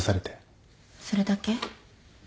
それだけ？